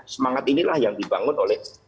semangat inilah yang dibangun oleh